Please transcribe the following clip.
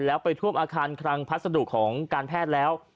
แล้วไปท่วมอาคารคลังพัสดุของการแพทย์แล้ว